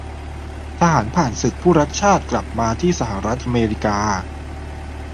ทหารผ่านศึกผู้รักชาติกลับมาที่สหรัฐอเมริกา